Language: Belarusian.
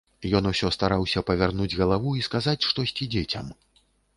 Ён усё стараўся павярнуць галаву і сказаць штосьці дзецям.